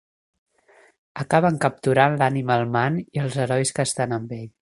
Acaben capturant l'Animal Man i els herois que estan amb ell.